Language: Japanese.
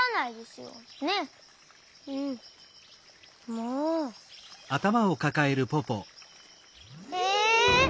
もう！え！？